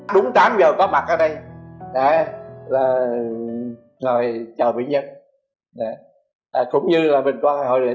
đúng tám giờ có mặt ở đây